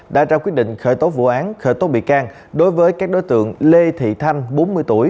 đã ra quyết định khởi tố vụ án khởi tố bị can đối với các đối tượng lê thị thanh bốn mươi tuổi